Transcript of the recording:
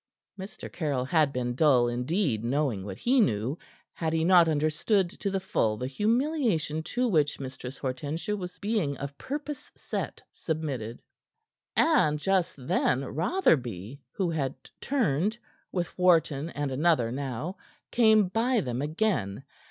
Mr. Caryll had been dull indeed, knowing what he knew, had he not understood to the full the humiliation to which Mistress Hortensia was being of purpose set submitted. And just then Rotherby, who had turned, with Wharton and another now, came by them again.